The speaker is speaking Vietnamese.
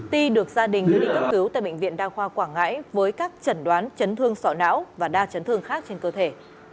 ti được gia đình đưa đi cấp cứu tại bệnh viện đa khoa quảng ngãi với các trần đoán chấn thương sọ não và đa chấn thương khác trên cơ thể